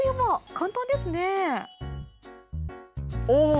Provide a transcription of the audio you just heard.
簡単ですねお！